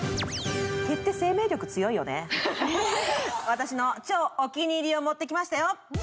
私の超お気に入りを持ってきましたよ。